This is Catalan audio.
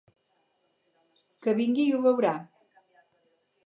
Que vingui i ho veurà!